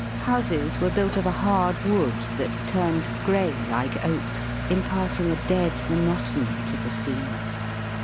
Houses were built of a hard wood that turned grey like oak, impart ing a dead monotony to the scene.